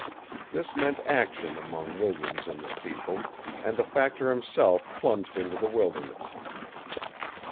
This meant action among Williams and his people, and the factor himself plunged into the wilderness.